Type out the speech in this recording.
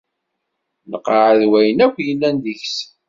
Lqaɛa d wayen akk yellan deg-s.